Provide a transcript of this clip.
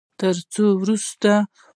تر څو وروسته پاتې هیوادونه وتړل شي.